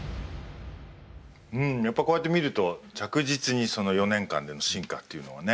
うんやっぱこうやって見ると着実にその４年間での進化っていうのはね